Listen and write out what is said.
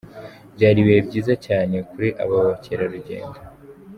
Byari ibihe byiza cyane kuri aba bakerarugendo.